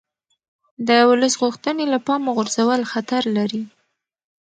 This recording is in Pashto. د ولس غوښتنې له پامه غورځول خطر لري